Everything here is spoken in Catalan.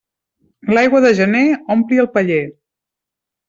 L'aigua de gener ompli el paller.